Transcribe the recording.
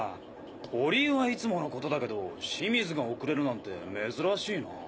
堀井はいつものことだけど清水が遅れるなんて珍しいな。